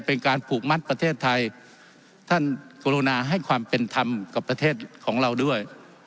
เป็นการผูกมัดประเทศไทยท่านกรุณาให้ความเป็นธรรมกับประเทศของเราด้วย